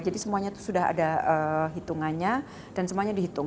jadi semuanya itu sudah ada hitungannya dan semuanya dihitung